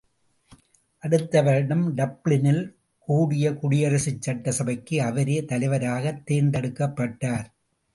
அடுத்தவருடம் டப்ளினில் கூடிய குடியரசுச்சட்ட கபைக்கு அவரே தலைவராகத் தேர்ந்தெடுக்கப்பட்டார்.